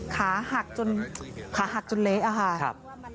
ขาหักจนเละ